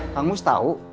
kang mus tahu